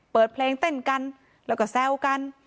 เปิดเพลงเต้นกันแล้วก็แซวกัน